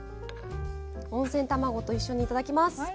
温泉卵と一緒に頂きます。